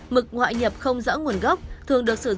mực ngoại nhập không rõ nguồn gốc